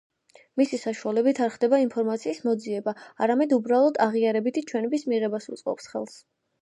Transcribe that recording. მისი საშუალებით არ ხდება ინფორმაციის მოძიება, არამედ უბრალოდ აღიარებითი ჩვენების მიღებას უწყობს ხელს.